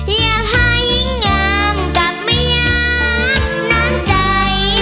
อย่าพายิ่งงามกลับมายังน้ำใจ